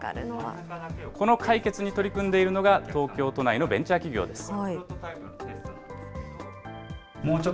この解決に取り組んでいるのが、東京都内のベンチャー企業です。